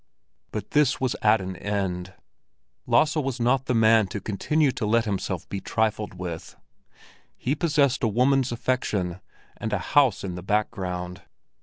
But this was at an end. Lasse was not the man to continue to let himself be trifled with. He possessed a woman's affection, and a house in the background.